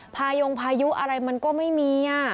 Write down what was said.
พายงพายุอะไรมันก็ไม่มี